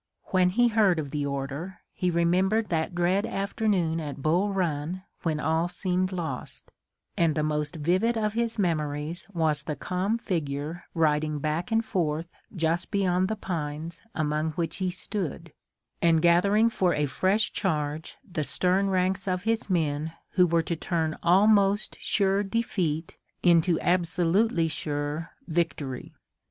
When he heard of the order he remembered that dread afternoon at Bull Run, when all seemed lost, and the most vivid of his memories was the calm figure riding back and forth just beyond the pines among which he stood, and gathering for a fresh charge the stern ranks of his men who were to turn almost sure defeat into absolutely sure victory.